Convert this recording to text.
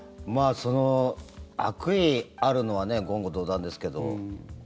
悪意あるのは言語道断ですけど。